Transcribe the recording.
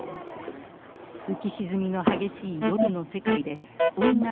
浮き沈みの激しい夜の世界で女